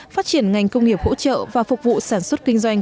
phát triển ngành công nghiệp hỗ trợ và phục vụ sản xuất kinh doanh